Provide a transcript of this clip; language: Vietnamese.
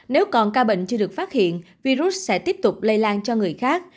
nếu còn ca bệnh chưa được phát hiện virus sẽ tiếp tục lây lan cho người khác